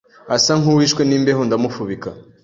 asa nkuwishwe nimbeho ndamufubika